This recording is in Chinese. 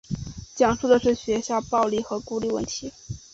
讲述的是学校暴力和孤立问题。